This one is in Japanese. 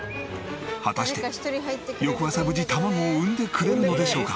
果たして翌朝無事卵を産んでくれるのでしょうか？